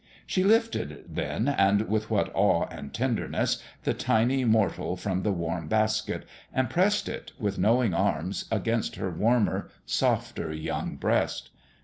She lifted, then and with what awe and tenderness ! the tiny mortal from the warm basket, and pressed it, with knowing arms, against her warmer, softer young breast.